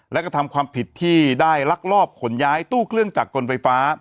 และกระทำความผิดที่ได้ลักลอบขนย้ายตู้เครื่องจักรกลไฟฟ้า